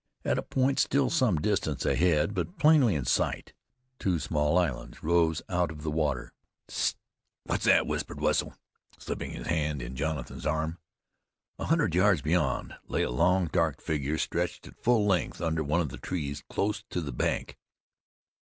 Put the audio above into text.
At a point still some distance ahead, but plainly in sight, two small islands rose out of the water. "Hist! What's that?" whispered Wetzel, slipping his hand in Jonathan's arm. A hundred yards beyond lay a long, dark figure stretched at full length under one of the trees close to the bank.